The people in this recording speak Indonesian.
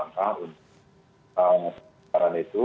untuk penyelenggaraan itu